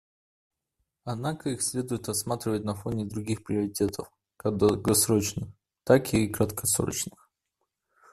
Однако их следует рассматривать на фоне других приоритетов, как долгосрочных, так и краткосрочных.